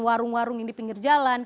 warung warung yang di pinggir jalan